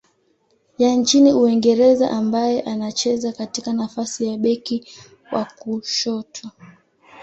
ya nchini Uingereza ambaye anacheza katika nafasi ya beki wa kushoto.